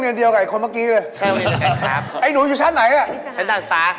สวัสดีครับทอดอร์ครับสวัสดีครับสวัสดีครับ